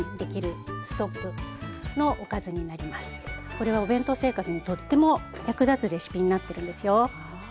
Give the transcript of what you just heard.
これはお弁当生活にとっても役立つレシピになってるんですよ。